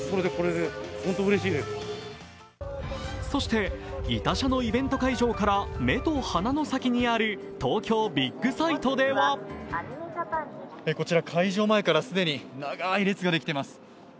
そして、痛車のイベント会場から目と鼻の先にある東京ビッグサイトではこちら会場前から既に長い列ができています。